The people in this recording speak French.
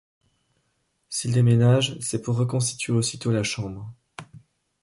S'ils déménagent, c'est pour reconstituer aussitôt la chambre.